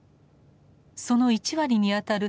その１割にあたる